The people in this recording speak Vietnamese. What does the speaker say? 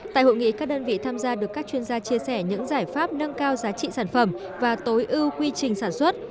tại hội nghị các đơn vị tham gia được các chuyên gia chia sẻ những giải pháp nâng cao giá trị sản phẩm và tối ưu quy trình sản xuất